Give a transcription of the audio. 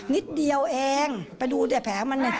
นิดเดียวเองไปดูแต่แผลมัน